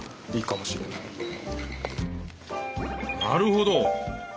なるほど！